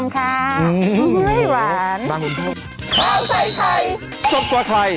ขอบคุณที่รัชชมค่ะ